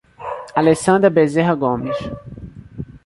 Alessandra Bezerra Gomes